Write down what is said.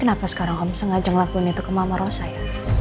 kenapa sekarang om sengaja ngelakuin itu ke mama rosa ya